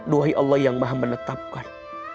duhai allah yang maha menetapkan